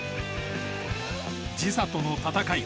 時差との戦い